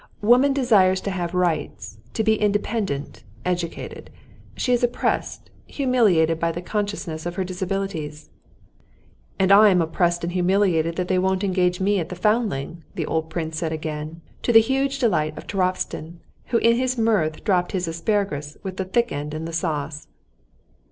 "Woman desires to have rights, to be independent, educated. She is oppressed, humiliated by the consciousness of her disabilities." "And I'm oppressed and humiliated that they won't engage me at the Foundling," the old prince said again, to the huge delight of Turovtsin, who in his mirth dropped his asparagus with the thick end in the sauce.